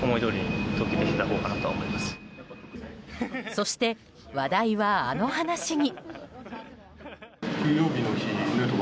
そして話題は、あの話に。